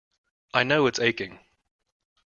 I know it's aching.